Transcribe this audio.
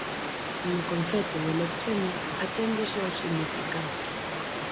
No concepto de lexema aténdese ó significado.